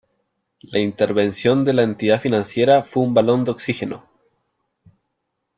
La intervención de la entidad financiera fue un balón de oxígeno.